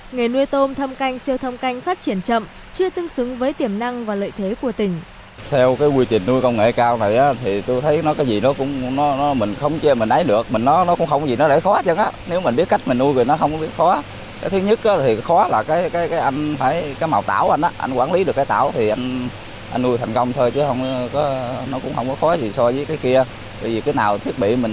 nghề nuôi tôm thâm canh siêu thâm canh phát triển chậm chưa tương xứng với tiềm năng và lợi thế của tỉnh